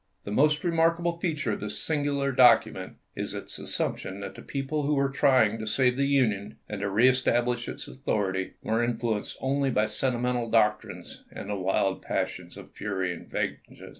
The most re markable feature of this singular document is its assumption that the people who were trying to save the Union and to reestablish its authority were influenced only by sentimental doctrines and the wild passions of fury and vengeance.